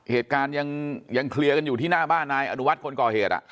เหตุการณ์ยังเคลียร์กันอยู่ที่หน้าบ้านนายอนุวัฒน์คนก่อเหตุ